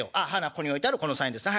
ここに置いてあるこの３円ですね。